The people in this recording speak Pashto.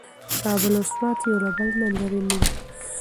کابل او سوات یو له بل نه لرې نه دي.